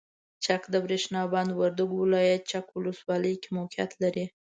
چک دبریښنا بند وردګو ولایت چک ولسوالۍ کې موقعیت لري.